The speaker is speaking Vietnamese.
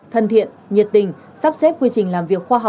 thân thiện nhiệt tình sắp xếp quyết định